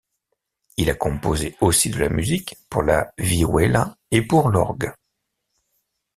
Il a composé aussi de la musique pour la vihuela et pour l'orgue.